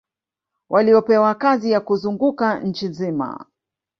waliopewa kazi ya kuzunguka nchi nzima